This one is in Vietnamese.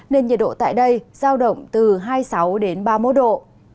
nên nhiệt độ tại đây giao động từ hai mươi sáu ba mươi một độ